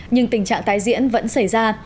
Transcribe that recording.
nhưng tình trạng tái diễn vẫn xảy ra